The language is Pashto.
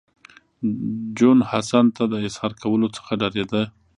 جون حسن ته د اظهار کولو څخه ډارېده